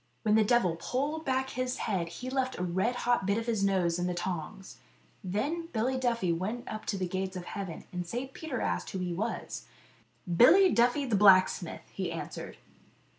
When the devil pulled back his head he left a red hot bit of his nose in the tongs. Then Billy Duffy went up to the gates of heaven, and St. Peter asked him who he was. " Billy Duffy the blacksmith," he answered.